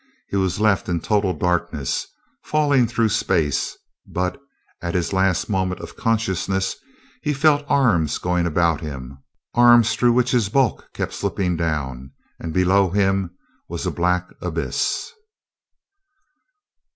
He was left in total darkness, falling through space; but, at his last moment of consciousness, he felt arms going about him, arms through which his bulk kept slipping down, and below him was a black abyss.